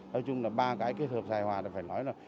nói chung là ba cái kết hợp dài hòa là phải nói là